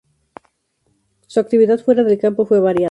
Su actividad fuera del campo fue variada.